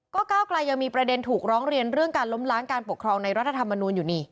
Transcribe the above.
ก็ก้าวกลายยังมีประเด็นถูกร้องเรียนเรื่องการล้มล้างการปกครองในรัฐธรรมนูลอยู่นี่